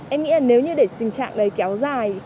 em nghĩ là nếu như để tình trạng đấy kéo dài